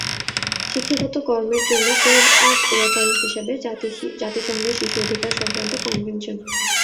শিক্ষাগত কর্মের জন্য ফ্রেম অব রেফারেন্স হিসেবে জাতিসংঘের শিশু অধিকার সংক্রান্ত কনভেনশন।